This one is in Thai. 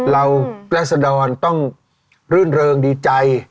ราศดรต้องรื่นเริงดีใจ